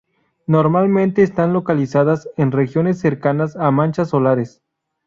Normalmente están localizadas en regiones cercanas a manchas solares.